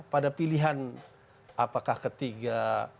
pada pilihan apakah ketiga